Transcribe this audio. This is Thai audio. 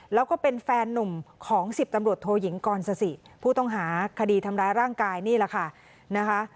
แล้วก็เป็นแฟนนุ่มของ๑๐ตำรวจโทยิงกรสสิผู้ต้องหาคดีทำร้ายร่างกายนี่แหละค่ะนะคะ